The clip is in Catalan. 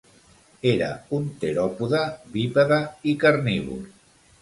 Era un teròpode bípede i carnívor.